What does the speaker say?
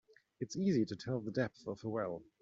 It's easy to tell the depth of a well.